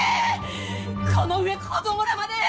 この上子供らまで！